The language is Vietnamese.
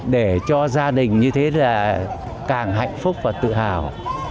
để cho gia đình như thế là càng hạnh phúc và tự hào